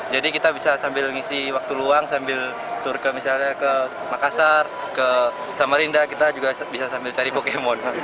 jadi kita bisa sambil mengisi waktu luang sambil tur ke makassar ke samarinda kita juga bisa sambil cari pokemon